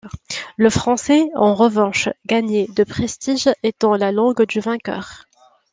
Le français, en revanche, gagnait de prestige étant la langue du vainqueur.